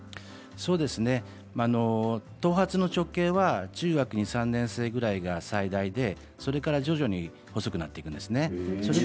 そうですね、頭髪の直径は中学２、３年生ぐらいが最大でそれから徐々に細くなっていくんですね。